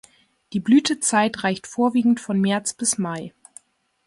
Die Blütezeit reicht vorwiegend von März bis Mai.